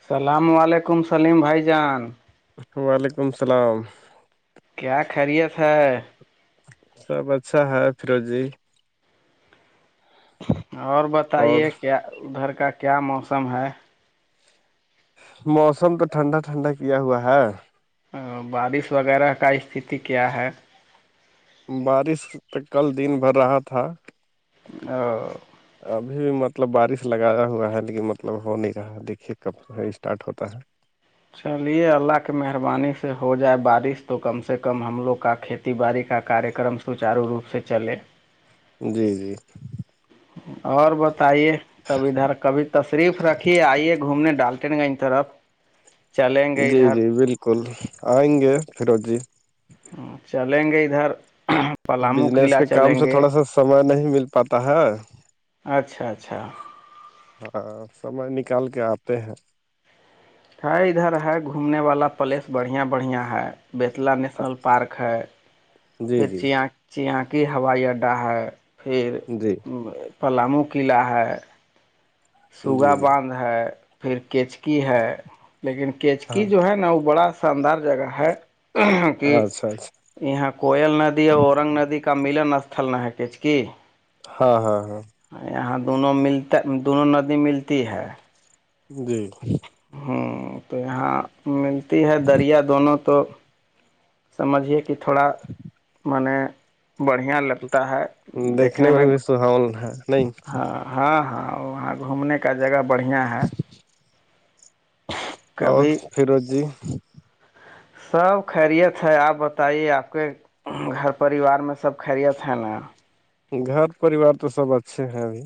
السلام علیکم سلیم بھائی جان وعلیکم السلام کیا خیریت ہے سب اچھا ہے فرج ہی اور اور بتائیے کیا ادھر کا کیا موسم ہے موسم تو ٹھنڈا ٹھنڈا کیا ہوا ہے بارش وغیرہ کا استی کیا ہے بارش تو کل دن بھر رہا تھا ا ابھی بھی مطلب بارش لگایا ہوا ہے لیکن مطلب ہو نہیں رہا دیکھیے کب اسٹارٹ ہوتا ہے چلیے اللہ کی مہربانی سے ہو جائے بارش تو کم سے کم ہم لوگ کا کھیت کھیتی باڑی کا کارکرم سچارو روپ سے چلے جی جی اور بتائیے کب ادھر کبھی تشریف رکھیے آئیے گھومنے ڈال پٹ گائ ان تر آپ [unintelligible] جی جی بالکل آئیں گے فیرو جی ہ چلیں گے ادھر پلامو بجنس قلعہ کے کام چلیں سے گے تھوڑا سا سمے نہیں مل پاتا ہے اچھا اچھا ہاں سمے نکال کے آتے ہیں [unintelligible] ہے ادھر ہے گھومنے والا پلیس بڑھیا بڑھیا ہے بیتلا نیشنل پارک ہے جی پھر جی چیاں [unintelligible] چیا کیی ہوائی اڈہ ہے پھر جی پلامو قلعہ ہے جی سوگا جی باندھ ہے پھر کیچکی ہے لیکن ہاں کیچکی جو ہے نا وہ بڑا شاندار جگہ ہے کہ اچھا اچھا یہاں کوئل ندی ہے اورنگ ندی کا کا ملن استھل نہحیکچ کی [unintelligible] ہاں ہاں ہاں یہاں دونوں ملتے دونوں ندی ملتی ہے جی [inaudible] ہوں تو یہاں ملتی ہے دریا دونوں تو سمجھیے کہ تھوڑا مان بڑھیا لگتا ہے دیکھنے میں بھی سہاون ہے نہیں ہاں ہاں ہاں وہاں گھومنے کا جگہ بڑھیا ہے اور کبھی فیرو جی [unintelligible] سب خیریت ہے آپ بتائیے آپ کے گھر پریوار میں سب خیریت ہے نا گھر پریوار تو سب اچھے ہیں ابھی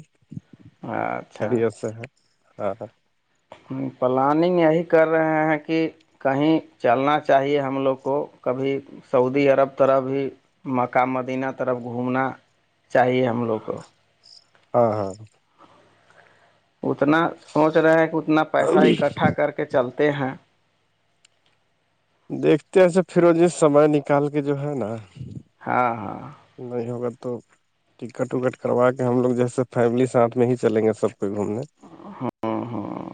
اچھا خری سے ہے ہاں ہاں [inaudible] ہ پلاننگ یہی کر رہے ہیں کہ کہیں چلنا چاہیے ہم لوگ کو کبھی سعودی عرب طرح بھی مکہ مدینہ طرف گھومنا چاہیے ہم لوگ کو ہاں ہاں اتنا سوچ رہے ہیں کہ اتنا پیسہ اکٹھا کر کے چلتے ہیں دیکھتے ہیں سے پھرو یہ سمے نکال کے جو ہے نا ہاں ہاں [unintelligible] نہیں ہوگا تو [unintelligible] ٹکٹ وکٹ کروا کے ہم لوگ جیسے فیملی ساتھ میں ہی چلیں گے سب کو گھومنے ہاں ہاں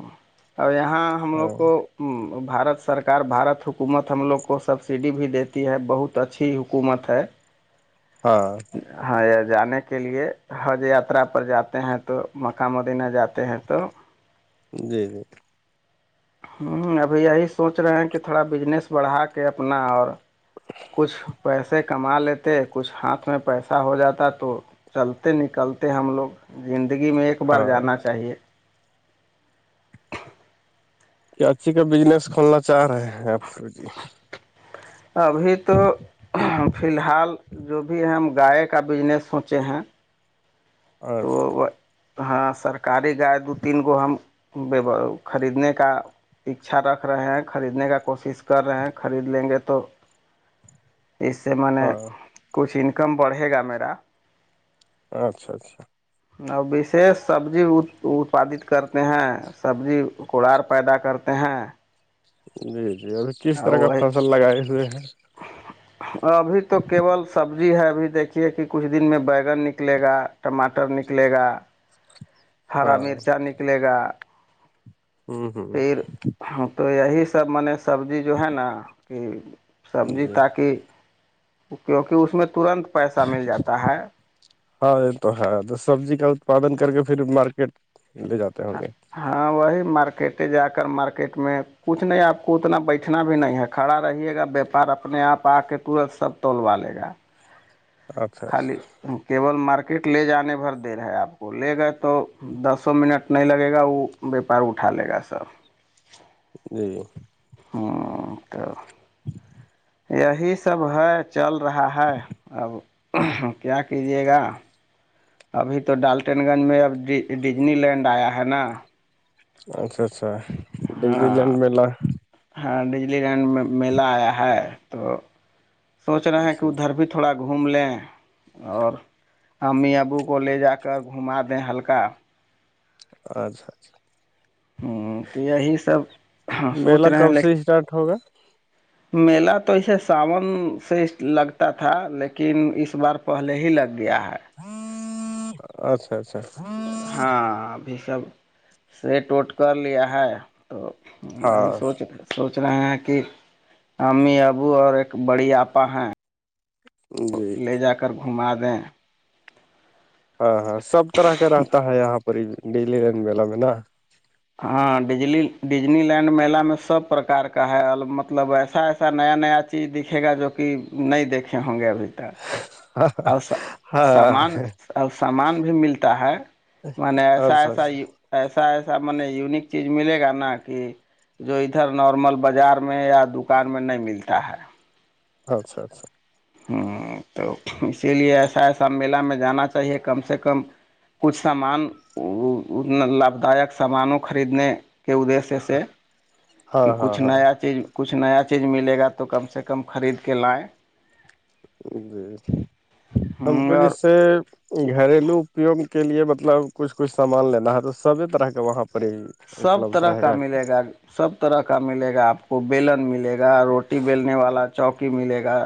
اب یہاں ہم ہاں لوگ کو بھارت سرکار بھارت حکومت ہم لوگ کو سبسڈی بھی دیتی ہے بہت اچھی حکومت ہے ہاں [inaudible] ہاں جانے کے لیے حج یاترا پر جاتے ہیں تو مکہ مدینہ جاتے ہیں تو جی جی [unintelligible] ہوں ابھی یہی سوچ رہے ہیں کہ تھوڑا بجنس بڑھا کے اپنا اور کچھ پیسے کما لیتے کچھ ہاتھ میں پیسا ہو جاتا تو چلتے نکلتے ہم لوگ زندگی میں ایک بار ہاں جانا چاہیے کیاچی کا بزنس کھولنا چاہ رہے ہیں آپ جی ابھی تو فی الحال جو بھی ہم گائے کا بزنس سوچے ہیں ہاں سر [unintelligible] تو ہاں سرکاری گائے دو تین گو ہم خریدنے کا اچھا رکھ رہے ہیں خریدنے کا کوشش کر رہے ہیں خرید لیں گے تو اس سے میں نے ہاں کچھ انکم بڑھے گا میرا اچھا اچھا ا وشیش سبزی اتپادت کرتے ہیں سبزی کوڑار پیدا کرتے ہیں جی جی اور کس طرح کا فصل لگائے ہوئے ہیں ابھی تو کیول سبزی جی ہے ابھی دیکھیے کہ کچھ دن میں بیگن نکلے گا ٹماٹر نکلے گا ہرا ہاں مرچا نکلے گا ہ ہ پھر ہ تو یہی سب مان سبزی جو ہے نا کہ سبزی جی تاکہ کیونکہ اس میں ترنت پیسہ مل جاتا ہے ہاں یہ تو ہے تو سبزی کا اتپادن کر کے پھر مارکیٹ لے جاتے ہوں گے ہاں وہی مارکیٹ جا کر مارکیٹ میں کچھ نہیں آپ کو اتنا بیٹھنا بھی نہیں ہے کھڑا رہیے گا بییاپار اپنے آپ آ کے تورت سب تولوا لے گا اچھا خالی اچھا کیبول مارکیٹ لے جانے بھر دیر رہ ہے آپ وہ لے گا تو دسوں منٹ نہیں لگے گا وہ وپار اٹھا لے گا سب جی جی ہوں تو [inaudible] یہی سب ہے چل رہا ہے اب کیا کیجیے گا ابھی تو ڈالٹین گنج میں اب ڈزنی لینڈ آیا ہے نا اچھا اچھا دیلی لینڈ ہاں میلا ہاں ڈجلی لینڈ میں میلہ آیا ہے تو سوچ رہے ہیں کہ جی ا دھرپت تھوڑا گھوم لیں اور امی ابو کو لے جا کر گھما دیں ہلکا اچھا اچھا ہ تو یہی سب سوچ میلہ رہے ہیں کب سے اسٹارٹ ہوگا لیکن میلا تو اسسے ساون سے لگتا تھا لیکن اس بار پہلے ہی لگ گیا ہے اچھا اچھا ہاں ابھی سب سےیٹ ووٹ کر لیا ہے تو وہی ہاں سوچ رہ سوچ رہے ہیں کہ امی ابو اور ایک بڑی آپا ہیں تو جی لے جا کر گھما دیں ہاں ہاں سب طرح کا رہتا ہے یہاں پر ڈیلی رن میلا میں نا ہاں ڈج ڈجنی لینڈ میلا میں سب پرکار کا ہے مطلب ایسا ایسا نیا نیا چیز دکھے گا جو کہ نہیں دیکھے ہوں گے ابھی تک ہاں اور ہاں سامان اور سامان بھی ملتا ہے م نے ایسا اچھا اچھا ایسا ایسا ایسا م یونک چیز ملے گا نا کہ جو ادھر نارمل بازار میں یا دکان میں نہیں ملتا ہے اچھا اچھا ہوں تو اسی لیے ایسا ایسا میلہ میں جانا چاہیے کم سے کم کچھ سامان لابھداک سامانوں خریدنے کے ادشیہ سے سے ہاں کہ ہاں کچھ ہاں نیا چیز کچھ نیا چیز ملے گا تو کم سے کم خرید کے لائیں جی ہم کو اور جیس سے گھریلو اپیوگ کے لیے مطلب کچھ کچھ سامان لینا ہے تو سبھی طرح کا وہاں پر ہی سب اپلبدھ طرح رہے کا ملے گا سب طرح کا ملے گا آپ کو بیلن ملے گا روٹی بیلنے والا چوکی ملے گا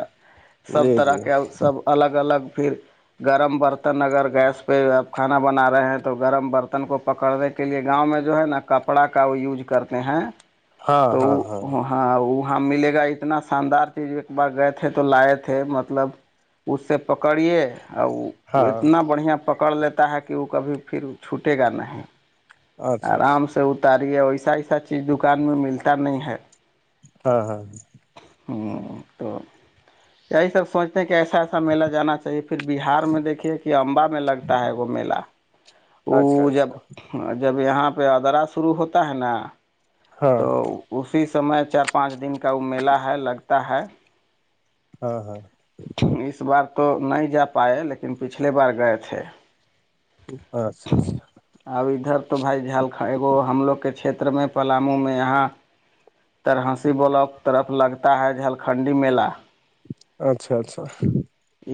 جی سب طرح جی کے سب الگ الگ پھر گرم برتن اگر گیس پہ آپ کھانا بنا رہے ہیں تو گرم برتن کو پکڑنے کے لیے گاؤں میں جو ہے نا کپڑا کا وہ یوز کرتے ہیں ہاں تو ہاں ہاں ہاں وہاں ملے گا اتنا شاندار چیز ایک بار گئے تھے تو لائے تھے مطلب اس سے پکڑیے اور ہاں اتنا بڑھیا پکڑ لیتا ہے کہ وہ کبھی پھر چھوٹے گا نہیں اچھا آرام اچھا سے اتاری ہے ایسا ایسا چیز دکان میں ملتا نہیں ہے ہاں ہاں ہاں ہ تو یہی سب سوچتے ہیں کہ ایسا اچھا میلہ جانا چاہیے پھر بہار میں دیکھیے کہ امبا میں لگتا ہے وہ میلا اچھا اچھا جب یہاں پہ ادرا شروع ہوتا ہے نا ہاں تو اسی سمے چار پانچ دن کا وہ میلہ ہے لگتا ہے ہاں ہاں اس بار تو نہیں جا پائے لیکن پچھلے بار گئے تھے اچھا اچھا اب ادھر تو بھائی جھلن ایگ ہم لوگ کے چھیر میں پلامو میں یہاں ترہنسی بلاک طرف لگتا ہے جھلکھنڈی میلہ اچھا اچھا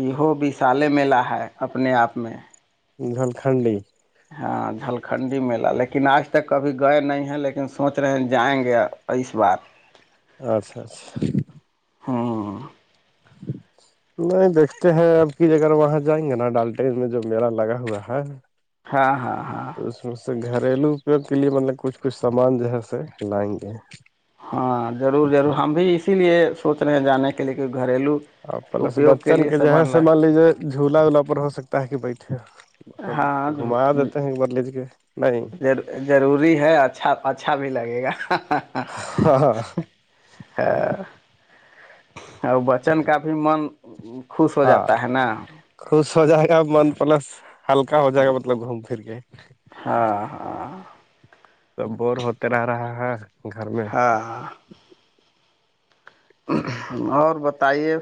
یہ وشالے میلہ ہے اپنے آپ میں جھلکھنڈی ہاں جھلکھنڈی میلہ لیکن آج تک کبھی گئے نہیں ہیں لیکن سوچ رہے ہیں جائیں گے اس بار [inaudible] اچھا اچھا ہاں نہیں دیکھتے ہیں اب کی جگر وہاں جائیں گے نا ڈالٹین میں جو میلہ لگا ہوا ہے ہاں ہاں ہاں تو اس میں سے گھریلو اپیوگ کے لیے مطلب کچھ کچھ سامان جو ہے س لائیں گے ہاں ضرور ضرور ہم بھی اسی لیے سوچ رہے ہیں جانے کی لیے کہئی گریلو اور پلس اپیوگ کی بچن لیے کے جو ہے سامان سے لا مان لیجیے جھولا وولا پر ہو سکتا ہے کہ بیٹھے ب ہاں گھما دیتے ہیں ایک بدلیج کے نہیں ضروری ہے اچھا اچھا بھی لگے گا ہاں ہاں [unintelligible] اور بچن کا بھی من خوش ہو ہاں جاتا ہے نا خوش ہو جائے گا من پلس ہلکا ہو جائے گا مطلب گھوم پھر کے ہاں ہاں تو بور ہوتے رہ رہا ہے گھر میں ہاں اور بتائیے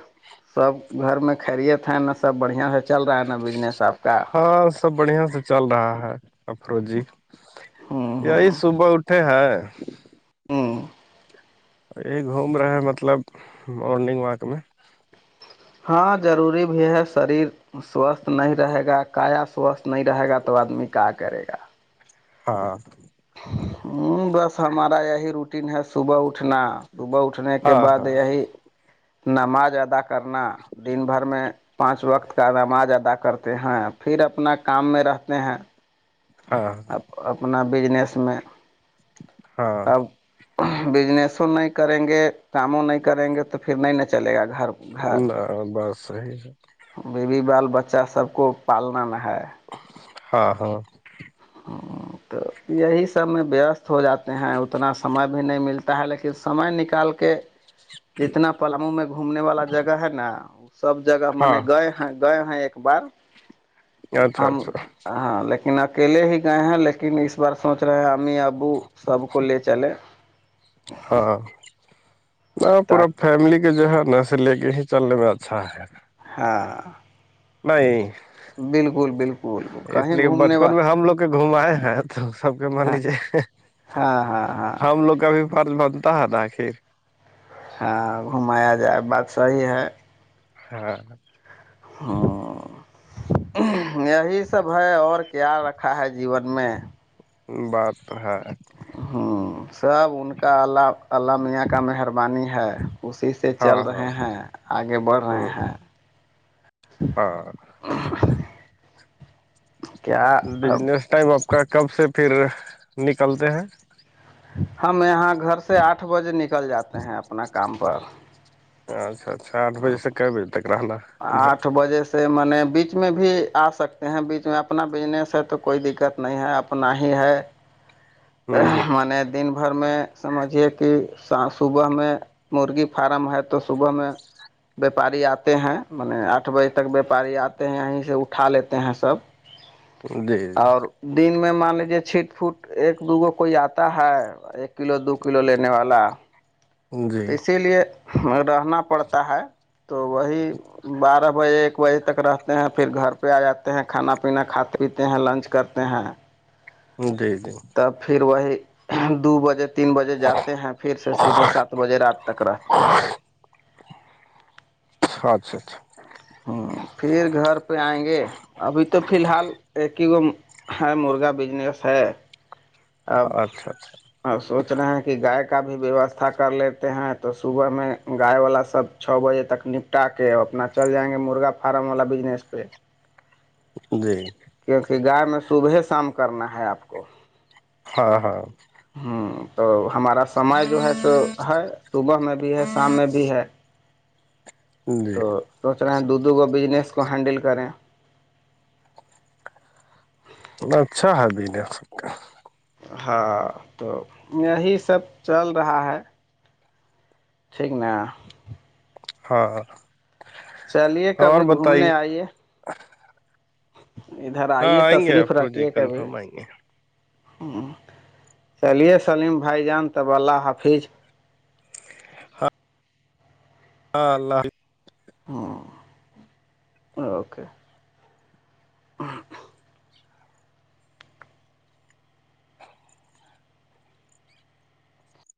سب گھر میں کریے تھن نا سب بڑھیا رہ چل رہا ہے نا بزنس آپ کا ہاں سب بڑھیا سے چل رہا ہے افرو جی ہوں یہی ہوں صبح اٹھے ہے ہوں یہ گھوم رہے مطلب مورننگ واک میں ہاں ضروری بھی ہے شریر سوستھ نہیں رہے گا کاایا سوستھ نہیں رہے گا تو آدمی کہ کرے گا ہاں ہوں بس ہمارا یہی روٹی ہے صبح اٹھنا صبح اٹھنے کے ہاں بعد ہاں یہی نماز ادا کر کرنا دن بھر میں پانچ وقت کا نماز ادا کرتے ہیں پھر اپنا کام میں رہتے ہیں ہاں اپنا بجنس میں ہاں ہاں اب بجنسوں نہیں کریں گے کاموں نہیں کریں گے تو پھر نہیں ن چلے گا گھر گھر اوراں بات صحیح ہے بیوی بال بچہ سب کو پالنا نہ ہے ہاں ہاں ہاں تو یہی سب میں وست ہو جاتے ہیں اتنا سمے بھی نہیں ملتا ہے لیکن سمے نکال کے جتنا پلامو میں گھومنے والا جگہ ہے نا وہ سب جگہ م ہاں نے گئے گئے ہیں ایک بار اچھا ہم اچھا ہاں لیکن اک اکیلے ہی گئے ہیں لیکن اس بار سوچ رہے ہے امی ابو سب کو لے چلے ہاں ہاں [unintelligible] ن پورا تاک فیملی کے جو ہے نا سے لے کے ہی چلنے میں اچھا ہے [unintelligible] ہاں [unintelligible] نہیں [unintelligible] بالکل بالکل کہیں گھومنے با [unintelligible] گ تو س ہاں ہاں ہاں ہاں ہم لوگ [unintelligible] کابھی فرض بنتا ہے ن آخر [unintelligible] ہاں گھمایا جائے بات صحیح ہے [unintelligible] ہاں [unintelligible] ہاں [unintelligible] یہی سب ہے اور خیال رکھا ہے جیون میں [unintelligible] بات ہےاںا [unintelligible] ہوں سب ان کا اللہ اللہ میاں کا مہربانی ہے اسی [unintelligible] سے ہاں چل ہاں رہے ہیں آگے بڑھ رہے ہ ہیں [unintelligible] ہاں [unintelligible] [unintelligible] کیا اب بجنس ٹائم آپ کا کب سے پھر نکلتے ہیں [unintelligible] ہم یہاں گھر سے آٹھ بجے نکل جاتے ہیں اپنا کام پر [unintelligible] اچھا اچھا آٹھ بجے سے ک بجے تک رہنا [unintelligible] آھ [unintelligible] وجہ سے میں نے بیچ میں بھی آ سکتے ہیں بیچ میں اپنا بزنس ہے تو کوئی دقت نہیں ہے [unintelligible] نہ ہی ہے ہوں ہوں م نے دن بھر میں سمجھیے کہ صبح میں مرغی فارم ہے تو صبح میں ویاپاری آتے ہیں م آٹھ بجے تک ویاپاری آتے ہیں یہیں سے اٹھا لیتے ہیں سب جی اور دن میں مان لیجے چٹ پوٹ ایک [unintelligible] ایک دوگو کوئی آتا ہے ایک کلو دو کلو لینے والا جی تو اسی لیے رہنا پڑتا ہے تو وہی بارہ بجے بجے تک رہتے ہیں پھر گھر پہ آ جاتے ہیں کھانا پینا کھاتے پیتے ہیں لنچ کرتے ہیں جی جی پھر وہ دو بجے تین بجے جاتے ہیں پھر سے سیدھے سات بجے رات تک رہتے ہیں چ اچھا اچھا [unintelligible] ہ پھر گھر پہ آئیں گے ابھی تو فی الحال ایک ہی گ [unintelligible] ہاںر مرغا بزنس ہے اب اچھا اچھا اور سوچ رہے ہیں کہ گائے کا بھی ویوستھا کر لیتے ہیں تو صبح میں گائے والا سب چھ بجے تک نپٹا کے اپنا چل جائیں گے مرغا فارم والا بزنس پہ جی [unintelligible] کیونکہ گائے میں صبح شام کرنا ہے آپ کو ہاں ہاں ہوں تو ہمارا سمے جو ہے سو ہے [unintelligible] صبح میں بھی ہے شام میں بھی ہے جی تو سوچ رہے ہیں دوگو بزنس کو ہینڈل کریں اچھا ہے بجنیک کا ہاں تو یہی سب چل رہا ہے ٹھیک ن [unintelligible] ہاں [inaudible] چلیے اور کبھی گھومنے بتائیے آئیے ادھر ہاں آئیے آئیں گے تشریف آپ رکھیے پروجیکٹ کبھی کنفرم آئیں گے ہوں چلیے سلیم بھائی جان تب اللہ حافظ ہاں [inaudible] ہاں اللہ ح [unintelligible] ہاں اوکے [unintelligible] ہ [inaudible]